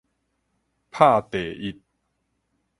拍第一